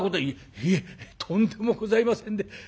「いえとんでもございませんで。